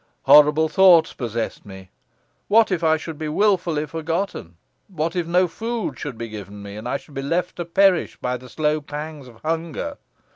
Horrible thoughts possessed me. What if I should be wilfully forgotten? What if no food should be given me, and I should be left to perish by the slow pangs of hunger?